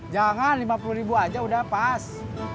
jangan lima puluh ribu aja udah pas